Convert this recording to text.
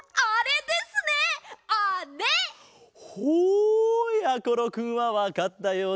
ほうやころくんはわかったようだぞ。